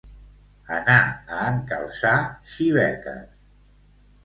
Anar a encalçar xibeques.